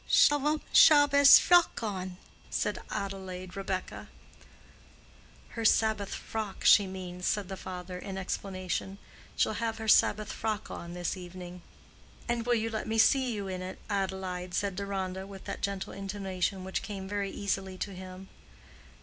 "Shlav'm Shabbes fyock on," said Adelaide Rebekah. "Her Sabbath frock, she means," said the father, in explanation. "She'll have her Sabbath frock on this evening." "And will you let me see you in it, Adelaide?" said Deronda, with that gentle intonation which came very easily to him.